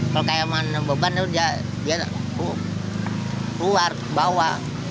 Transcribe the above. kalau kakek yang membeli beban dia keluar bawa